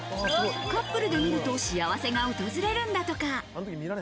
カップルで見ると幸せが訪れるんだとか。